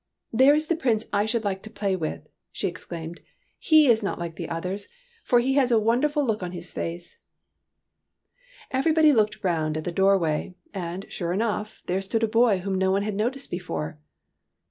'' There is the Prince I should like to play with," she exclaimed. ''He is not like the others, for he has a wonderful look on his face." TEARS OF PRINCESS PRUNELLA 107 Everybody looked round at the doorway; and, sure enough, there stood a boy whom no one had noticed before.